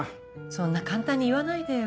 そんな簡単に言わないでよ。